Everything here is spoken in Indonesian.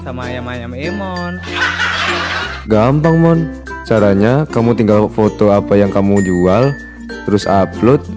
sama ayam ayam imun gampang mon caranya kamu tinggal foto apa yang kamu jual terus upload